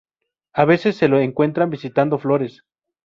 A veces se los encuentran visitando flores.